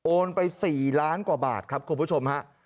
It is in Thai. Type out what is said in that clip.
โอนไป๔ล้านกว่าบาทครับคุณผู้ชมครับ